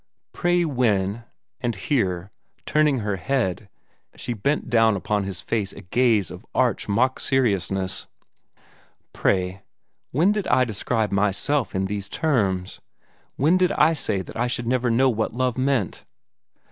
Pray, when" and here, turning her head, she bent down upon his face a gaze of arch mock seriousness "pray, when did I describe myself in these terms? When did I say that I should never know what love meant?"